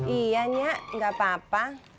iya nyak gak apa apa